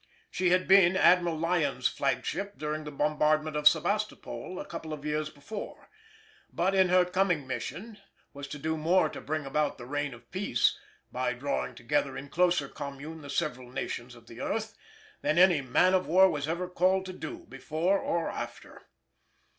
She had been Admiral Lyons's flagship during the bombardment of Sebastopol a couple of years before; but, in her coming mission, was to do more to bring about the reign of peace by drawing together in closer commune the several nations of the earth than any man of war was ever called to do, before or after.